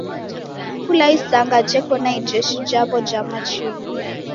Kula isanga jeko na ijeshi jaw'o ja machinyi.